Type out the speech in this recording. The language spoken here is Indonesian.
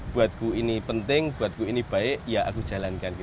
buatku ini penting buatku ini baik ya aku jalankan